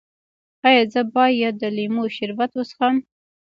ایا زه باید د لیمو شربت وڅښم؟